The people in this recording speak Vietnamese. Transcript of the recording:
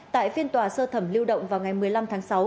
tại phiên tòa sơ thẩm lưu động vào ngày một mươi năm tháng sáu